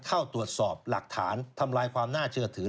เข้าตรวจสอบหลักฐานทำลายความน่าเชื่อถือ